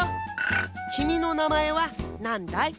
きみのなまえはなんだい？